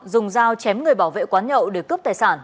dùng dao chém người bảo vệ quán nhậu để cướp tài sản